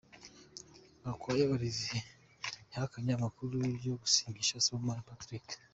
Gakwaya Olivier yahakanye amakuru yo gusinyisha Sibomana Patrick.